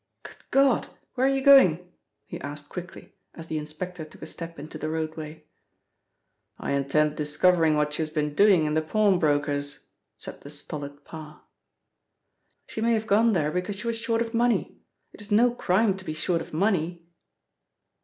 "Good God! Where are you going?" he asked quickly, as the inspector took a step into the roadway. "I intend discovering what she has been doing in the pawnbroker's," said the stolid Parr. "She may have gone there because she was short of money. It is no crime to be short of money."